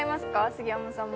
杉山さんも。